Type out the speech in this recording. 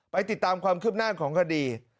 ติดตามความคืบหน้าของคดี